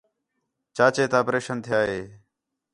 چاچے تا اپریشن تِھیا ہِے